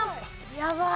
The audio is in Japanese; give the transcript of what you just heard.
やばい。